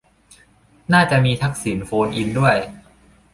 น่าจะมีทักษิณโฟนอินด้วย